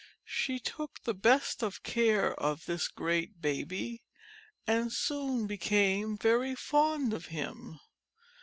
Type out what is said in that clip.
She took the best of care of this great baby and soon became very fond of him.